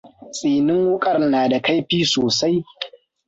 Tsinin wukar na da kaifi sosai.